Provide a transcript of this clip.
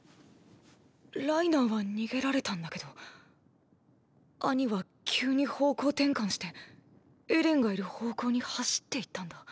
ライナーは逃げられたんだけどアニは急に方向転換してエレンがいる方向に走っていったんだ。